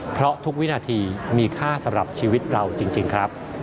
เพราะทุกวินาทีมีค่าสำหรับชีวิตเราจริงครับ